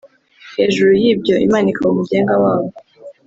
hejuru y’ibyo Imana ikaba umugenga w’abo